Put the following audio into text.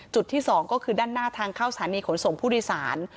จุดที่๒ก็คือด้านหน้าทางเข้าสถานีขนส่งผู้โดยสาร